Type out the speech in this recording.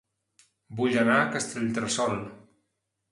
Vull anar a Castellterçol